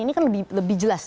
ini kan lebih jelas